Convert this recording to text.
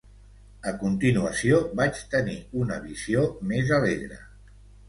A continuació, vaig tenir una visió més alegre.